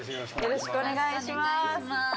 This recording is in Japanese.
よろしくお願いします。